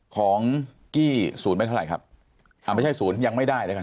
กี้ศูนย์ไม่เท่าไหร่ครับอ่าไม่ใช่ศูนย์ยังไม่ได้แล้วกัน